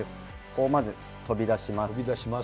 まず飛び出します。